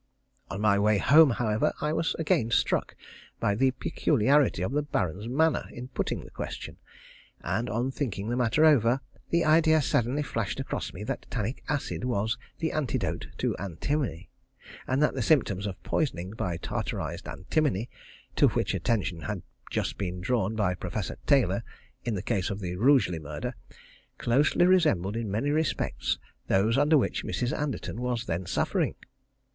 On my way home, however, I was again struck by the peculiarity of the Baron's manner in putting the question; and on thinking the matter over, the idea suddenly flashed across me that tannic acid was the antidote to antimony, and that the symptoms of poisoning by tartarised antimony, to which attention had just been drawn by Professor Taylor, in the case of the Rugely murder, closely resembled in many respects those under which Mrs. Anderton was then suffering.